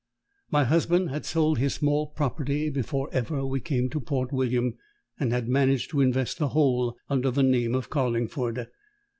My husband had sold his small property before ever we came to Port William, and had managed to invest the whole under the name of Carlingford.